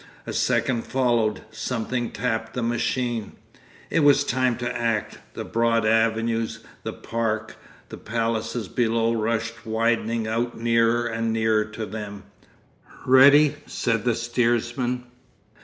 A second followed. Something tapped the machine. It was time to act. The broad avenues, the park, the palaces below rushed widening out nearer and nearer to them. 'Ready!' said the steersman.